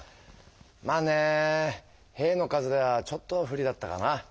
まあね兵の数がちょっと不利だったかな。